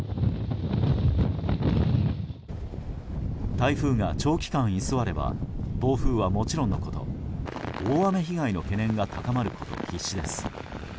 台風が長期間居座れば暴風はもちろんのこと大雨被害の懸念が高まること必至です。